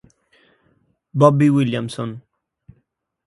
Bobby Williamson